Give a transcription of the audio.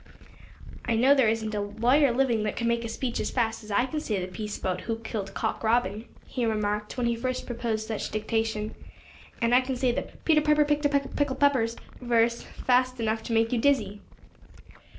"I know there isn't a lawyer living that can make a speech as fast as I can say the piece about 'Who killed Cock Robin,'" he remarked when he first proposed such dictation; "and I can say the 'Peter Piper picked a peck of pickled peppers' verse fast enough to make you dizzy."